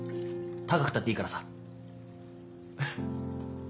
高くたっていいからさ。ははっ。